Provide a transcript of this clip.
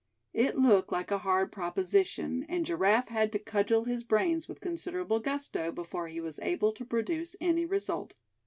It looked like a hard proposition, and Giraffe had to cudgel his brains with considerable gusto before he was able to produce any result.